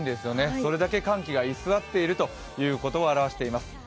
それだけ寒気が居すわっているということを表しています。